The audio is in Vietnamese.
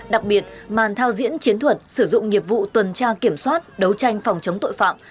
đặc biệt màn thao diễn chiến thuật sử dụng nghiệp vụ tuần tra kiểm soát đấu tranh phòng chống tội phạm